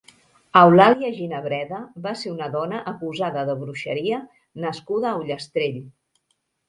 Eulàlia Ginebreda va ser una dona acusada de bruixeria nascuda a Ullastrell.